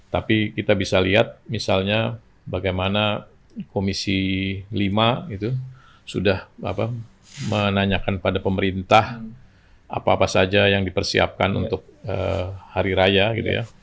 tapi kita bisa lihat misalnya bagaimana komisi lima itu sudah menanyakan pada pemerintah apa apa saja yang dipersiapkan untuk hari raya gitu ya